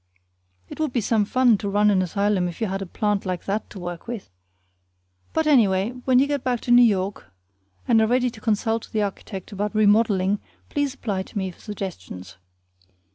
It would be some fun to run an asylum if you had a plant like that to work with. But, anyway, when you get back to New York and are ready to consult the architect about remodeling, please apply to me for suggestions.